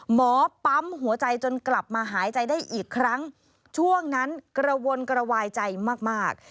หมอปั๊มหัวใจจนกลับมาหายใจได้อีกครั้งช่วงนั้นกระวนกระวายใจมากมาก